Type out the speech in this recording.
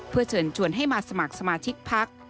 เพื่อเชิญชวนให้มาสมัครสมาชิกพัก